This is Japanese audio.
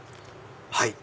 はい。